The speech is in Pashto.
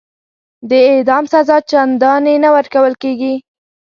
د اعدام سزا چنداني نه ورکول کیږي.